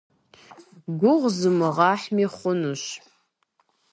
Гугъу зумыгъэхьми хъунущ.